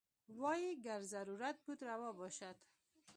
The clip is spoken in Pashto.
وايي ګر ضرورت بود روا باشد.